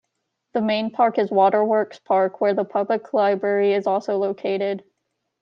The main park is Water Works Park, where the public library is also located.